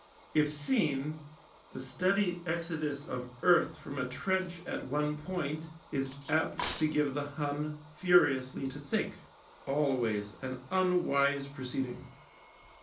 If seen, the steady exodus of earth from a trench at one point is apt to give the Hun furiously to think— always an unwise proceeding.